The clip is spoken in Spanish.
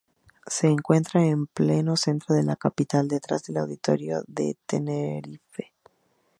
Se encuentra en pleno centro de la capital, detrás el Auditorio de Tenerife.